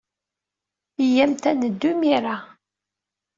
Iyyamt ad neddu imir-a.